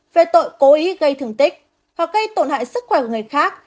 về tội cố ý gây thường tích hoặc gây tổn hại sức khỏe của người khác